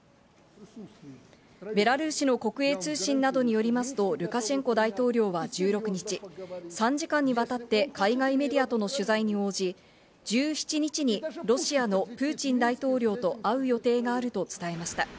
ベラルーシの国営通信などによりますと、ルカシェンコ大統領は１６日、３時間にわたって海外メディアとの取材に応じ、１７日にロシアのプーチン大統領と会う予定があると伝えました。